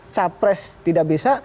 capres tidak bisa